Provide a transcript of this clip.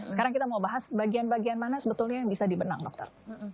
sekarang kita mau bahas bagian bagian mana sebetulnya yang bisa dibenang dokter